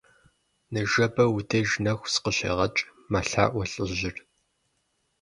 Ныжэбэ уи деж нэху сыкъыщегъэкӀ, - мэлъаӀуэ лӀыжьыр.